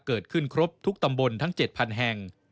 เกิดขึ้นครบทุกตำบลทั้ง๗๐๐แห่ง